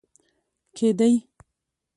کې دی